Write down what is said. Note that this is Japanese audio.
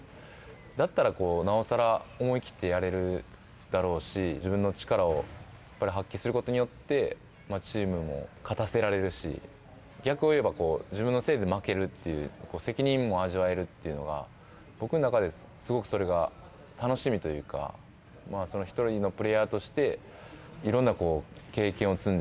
だったらこう、なおさら、思い切ってやれるだろうし、自分の力をやっぱり発揮することによって、チームも勝たせられるし、逆を言えば、自分のせいで負けるという責任も味わえるっていうのが、僕の中ですごくそれが楽しみというか、その一人のプレーヤーとして、いろんなこう、経験を積んで、